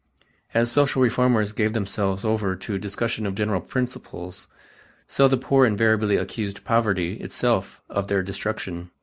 As social reformers gave themselves over to discussion of general principles, so the poor invariably accused poverty itself of their destruction.